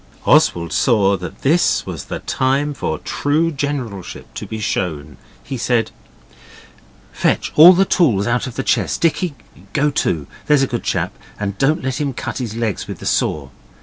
Oswald saw that this was the time for true generalship to be shown. He said 'Fetch all the tools out of your chest Dicky go too, there's a good chap, and don't let him cut his legs with the saw.